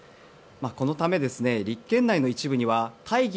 このため、立憲内の一部には大義